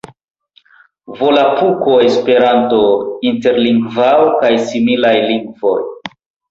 Volapuko, Esperanto, Interlingvao kaj similaj lingvoj.